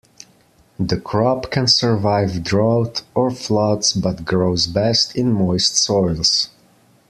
The crop can survive drought or floods but grows best in moist soils.